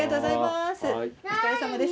お疲れさまです。